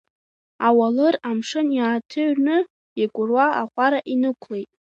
Ауалыр амшын иааҭыҩрны, икәыруа аҟәара инықәлеит.